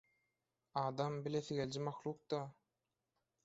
Adam bilesigeliji mahluk-da.